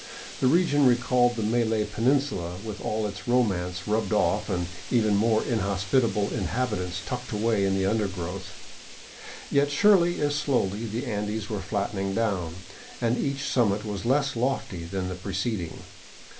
The region recalled the Malay Peninsula — with all its romance rubbed off and even more inhospitable inhabitants tucked away in the undergrowth. Yet surely, if slowly, the Andes were flattening down, and each sum mit was less lofty than the preceding.